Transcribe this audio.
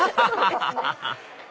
アハハハ！